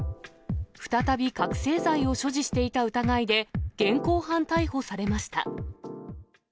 再び覚醒剤を所持していた疑いで現行犯逮捕されました。